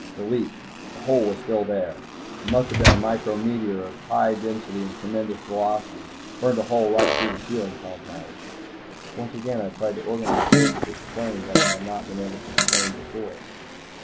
The leak. The hole was still there. It must have been a micrometeor of high density and tremendous velocity. Burned a hole right through the sealing compound " Once again I tried to organize words to explain what I had not been able to explain before.